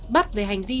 bắt về hành vi